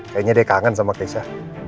kayaknya dia kangen sama keisha